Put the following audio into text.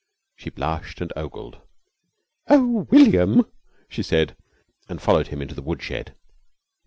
She blushed and ogled. "Oh, William!" she said, and followed him into the wood shed.